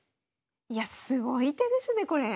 いやすごい手ですねこれ。